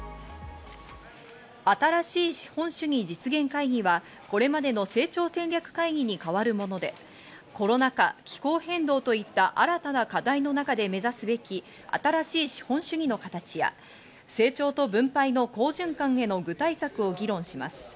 新しい資本主義実現会議は、これまでの成長戦略会議に代わるもので、コロナ禍、気候変動といった新たな課題の中で目指すべき成長と分配の好循環への具体策を議論します。